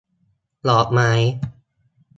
ดอกไม้